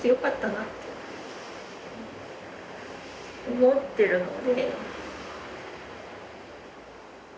思ってるので。